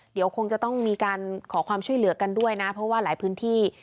เดี๋ยวคงจะต้องมีการขอความช่วยเหลือกันด้วยนะเพราะว่าหลายพื้นที่